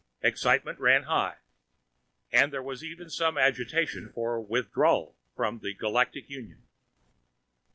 Excitement ran high, and there was even some agitation for withdrawal from the Galactic Union.